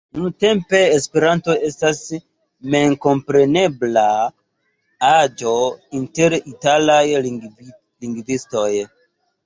Nuntempe Esperanto estas memkomprenebla aĵo inter italaj lingvistoj.